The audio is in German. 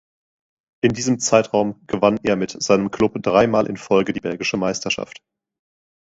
In diesem Zeitraum gewann er mit seinem Klub dreimal in Folge die belgische Meisterschaft.